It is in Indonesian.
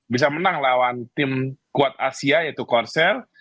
bisa menang lawan tim kuat asia yaitu konser